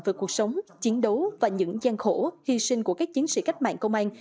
về cuộc sống chiến đấu và những gian khổ hy sinh của các chiến sĩ cách mạng công an